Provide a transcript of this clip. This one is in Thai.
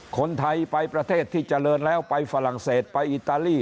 คนไทยไปประเทศที่เจริญแล้วไปฝรั่งเศสไปอิตาลี